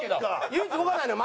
唯一動かないのよ。